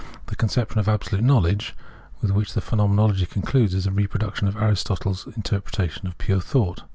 * The conception of "Absolute Knowledge" with wliich the Phenomenology concludes is a reproduction of Aris totle's interpretation of pure thought.